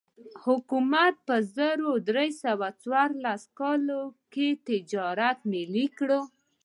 حکومت په زر درې سوه څوارلس کال کې تجارت ملي کړ.